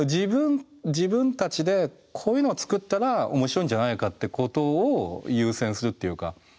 自分たちでこういうのを作ったら面白いんじゃないかってことを優先するっていうか。